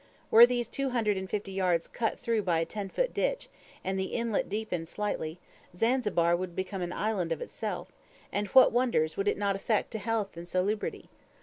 Were these two hundred and fifty yards cut through by a ten foot ditch, and the inlet deepened slightly, Zanzibar would become an island of itself, and what wonders would it not effect as to health and salubrity!